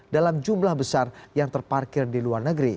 dalam jumlah besar yang terparkir di luar negeri